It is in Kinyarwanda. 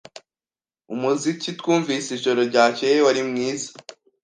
Umuziki twumvise ijoro ryakeye wari mwiza.